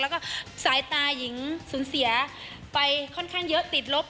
แล้วก็สายตาหญิงสูญเสียไปค่อนข้างเยอะติดลบ